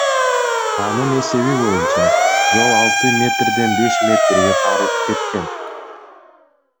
Анын эсеби боюнча, жол алты метрден беш метрге тарып кеткен.